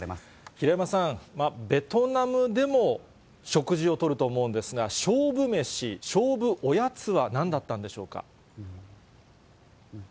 平山さん、ベトナムでも食事をとると思うんですが、勝負めし、勝負おやつはなんだったんでしょうか。